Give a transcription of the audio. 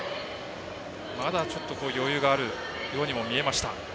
まだちょっと余裕があるようにも見えました。